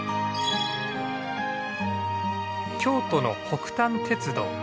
京都の北丹鉄道。